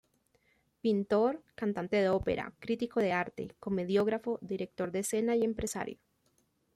Pintor, cantante de ópera, crítico de arte, comediógrafo, director de escena y empresario.